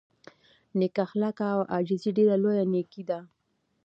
نېک اخلاق او عاجزي ډېره لویه نېکي ده.